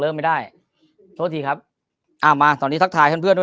ไม่ได้โทษทีครับอ่ามาตอนนี้ทักทายเพื่อนเพื่อนด้วย